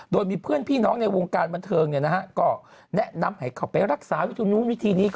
โดยมีเพื่อนพี่น้องในวงการบันเทิงก็แนะนำให้เขาไปรักษาวิธีนู้นวิธีนี้